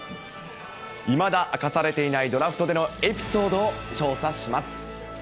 いまだ明かされていないドラフトでのエピソードを調査します。